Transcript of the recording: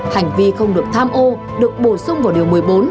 hành vi không được tham ô được bổ sung vào điều một mươi bốn